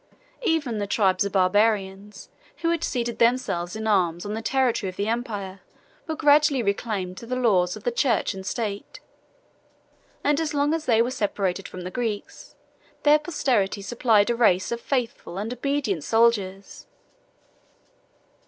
Even the tribes of Barbarians, who had seated themselves in arms on the territory of the empire, were gradually reclaimed to the laws of the church and state; and as long as they were separated from the Greeks, their posterity supplied a race of faithful and obedient soldiers.